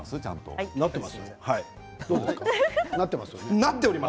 なってます？